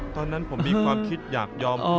ตอนนั้นผมมีความคิดอยากยอม